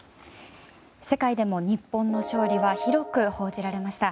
世界でも日本の勝利は広く報じられました。